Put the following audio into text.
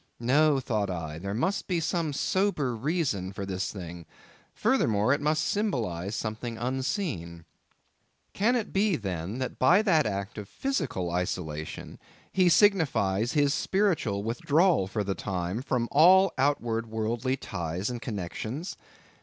No, thought I, there must be some sober reason for this thing; furthermore, it must symbolize something unseen. Can it be, then, that by that act of physical isolation, he signifies his spiritual withdrawal for the time, from all outward worldly ties and connexions?